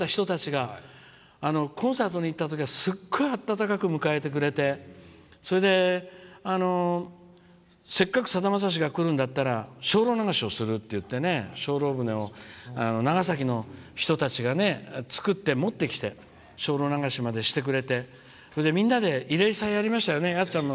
「最初に何しに来た！」って言ってた人たちがコンサートに行ったときはすごい温かく迎えてくれてせっかく、さだまさしが来るんだったら「精霊流し」をするって精霊船を長崎の人たちが作って持ってきて精霊流しまでしてくれてみんなで慰霊祭をやりましたよね。